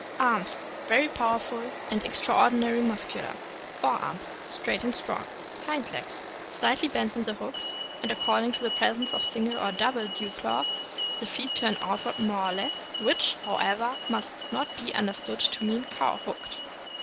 Arms. — Very powerful, and extraordinarily muscular. Fore arms. — Straight and strong. Hind legs. — Slightly bent in the hocks, and, according to the presence of single or double dew claws, the feet turn outward more or less, which, however, must not be under stood to mean cow hocked.